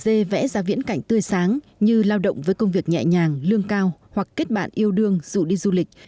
người dân vẽ ra viễn cảnh tươi sáng như lao động với công việc nhẹ nhàng lương cao hoặc kết bạn yêu đương dù đi du lịch